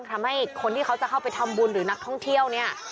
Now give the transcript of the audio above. ทำให้คนที่เขาจะเข้าไปทำบุญหรือนักท่องเที่ยวเนี่ย